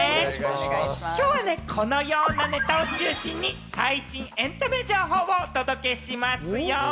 きょうはこのようなネタを中心に最新エンタメ情報をお届けしますよ。